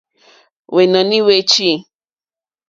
Hwènɔ̀ní hwé chí.